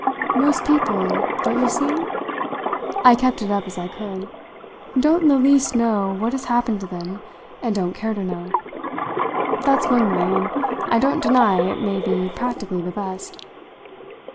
Most people, don't you see?" I kept it up as I could "don't in the least know what has happened to them, and don't care to know. That's one way, and I don't deny it may be practically the best.